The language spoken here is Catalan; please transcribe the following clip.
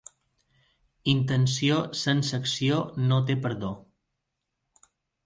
Intenció sense acció no té perdó.